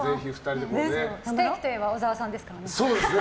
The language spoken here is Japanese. ステーキといえば小沢さんですからね。